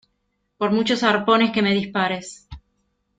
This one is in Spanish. por muchos arpones que me dispares.